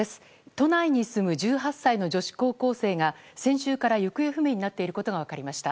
都内に住む１８歳の女子高校生が先週から行方不明になっていることが分かりました。